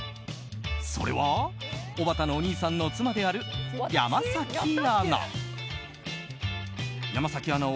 それはおばたのお兄さんの妻である山崎アナ。